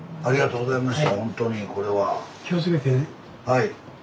はい。